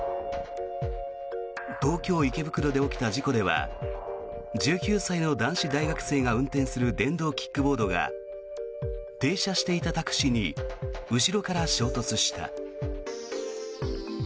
東京・池袋で起きた事故では１９歳の男子大学生が運転する電動キックボードが停車していたタクシーに後ろから衝突した。